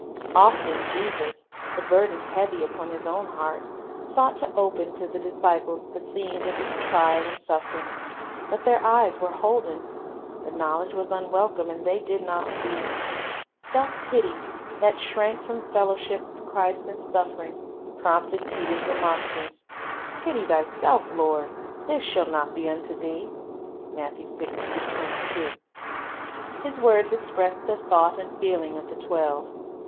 Often Jesus, the burden heavy upon His own heart, sought to open to the disciples the scenes of His trial and suffering. But their eyes were holden. The knowl edge was unwelcome, and they did not see. Self pity, that shrank from fellowship with Christ in suffering, prompted Peter's remonstrance, "Pity Thyself, Lord; this shall not be unto Thee." 1 His words expressed the thought and feeling of the twelve.